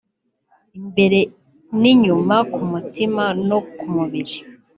imbere n’inyuma (ku mutima no ku mubiri)”